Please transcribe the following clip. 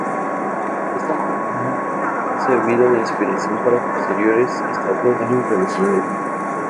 Esta columna ha servido de inspiración para posteriores estatuas del Renacimiento.